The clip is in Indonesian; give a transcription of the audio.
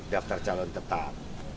daftar calon tetap